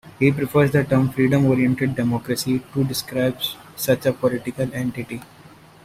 He prefers the term "freedom-oriented democracy" to describe such a political entity.